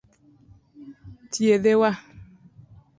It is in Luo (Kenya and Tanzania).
Thiedhe wa.